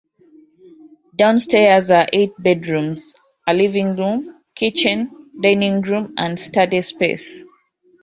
Downstairs are eight bedrooms, a living room, kitchen, dining room, and study space.